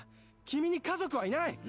君に家族はいない！